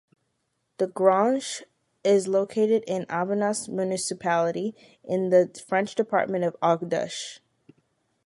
The Grange is located in Aubenas municipality, in the French department of Ardèche.